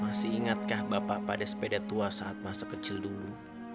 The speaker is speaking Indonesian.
masih ingatkah bapak pada sepeda tua saat masa kecil dulu